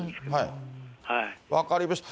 分かりました。